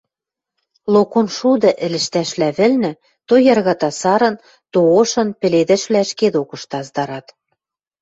Локон шуды ӹлӹштӓшвлӓ вӹлнӹ то яргата-сарын, то ошын пеледӹшвлӓ ӹшке докышты аздарат.